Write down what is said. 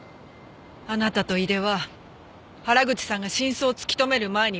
あなたと井出は原口さんが真相を突き止める前に罠にはめた。